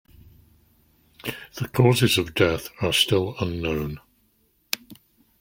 The causes of death are still unknown.